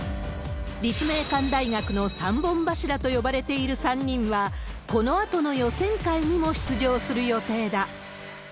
立命館大学の３本柱と呼ばれている３人は、このあとの予選会にも出場する予定だ。